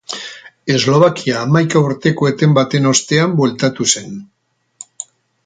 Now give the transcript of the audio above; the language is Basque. Eslovakia hamaika urteko eten baten ostean bueltatu zen.